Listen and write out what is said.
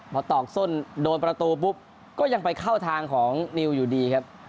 พอตอกส้นโดนประตูปุ๊บก็ยังไปเข้าทางของนิวอยู่ดีครับ